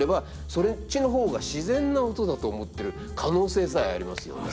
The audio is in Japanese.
そっちの方が自然な音だと思ってる可能性さえありますよね。